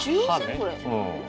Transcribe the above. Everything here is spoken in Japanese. これ。